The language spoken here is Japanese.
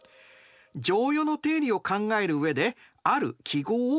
剰余の定理を考える上である記号を導入します。